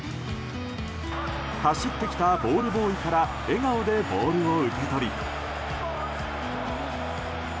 走ってきたボールボーイから笑顔でボールを受け取り。